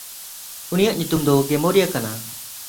ᱩᱱᱤᱭᱟᱜ ᱧᱩᱛᱩᱢ ᱫᱚ ᱠᱮᱢᱚᱨᱤᱭᱟ ᱠᱟᱱᱟ᱾